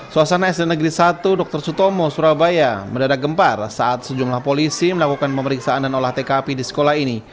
suasana sd negeri satu dr sutomo surabaya mendadak gempar saat sejumlah polisi melakukan pemeriksaan dan olah tkp di sekolah ini